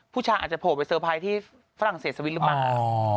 อาจจะโผล่ไปเตอร์ไพรส์ที่ฝรั่งเศสวิทย์หรือเปล่า